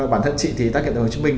bản thân chị thì tại kiện hồ chí minh